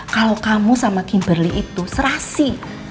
kalau kamu sama kimberly itu serasi